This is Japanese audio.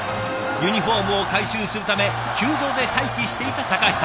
ユニフォームを回収するため球場で待機していた橋さん。